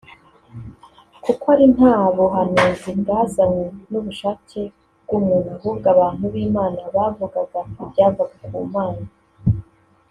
kuko ari nta buhanuzi bwazanywe n’ubushake bw’umuntu ahubwo abantu b’Imana bavugaga ibyavaga ku Mana